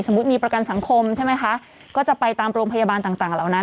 มีประกันสังคมใช่ไหมคะก็จะไปตามโรงพยาบาลต่างเหล่านั้น